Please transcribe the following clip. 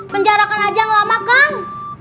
penjarakan aja yang lama kang